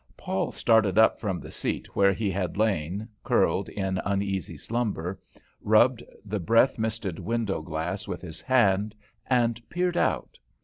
Paul started up from the seat where he had lain curled in uneasy slumber, rubbed the breath misted window glass with his hand, and peered out.